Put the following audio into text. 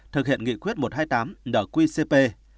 thực hiện nghị quyết một trăm hai mươi tám nqcp